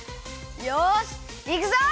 よしいくぞ！